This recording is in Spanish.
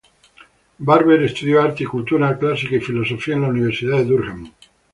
Barber estudió Arte y cultura clásica y Filosofía en la Universidad de Durham.